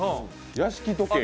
屋敷時計。